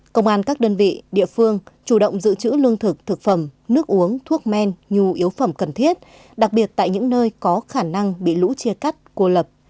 công an các đơn vị địa phương chủ động giữ chữ lương thực thực phẩm nước uống thuốc men nhu yếu phẩm cần thiết đặc biệt tại những nơi có khả năng bị lũ chia cắt cô lập